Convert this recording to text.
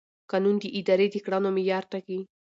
قانون د ادارې د کړنو معیار ټاکي.